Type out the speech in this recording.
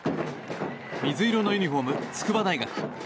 水色のユニホーム、筑波大学。